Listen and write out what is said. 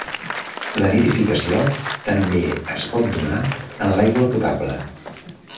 La nitrificació també es pot donar en l'aigua potable.